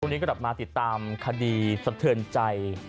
นี้กลับมาติดตามคดีสะเทือนใจ